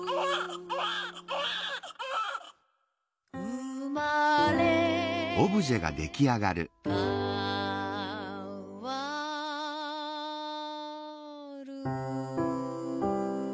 「うまれかわる」